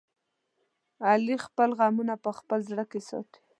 علي خپل غمونه په خپل زړه کې ساتي.